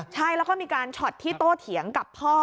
ใช่แล้วก็มีการช็อตที่โต้เถียงกับพ่อ